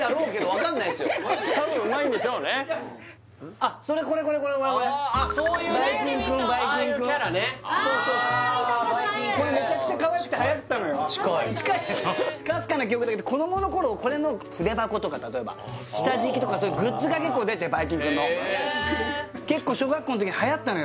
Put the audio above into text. かすかな記憶だけど子供の頃これの筆箱とか例えば下敷きとかグッズが結構出てバイキンクンののよ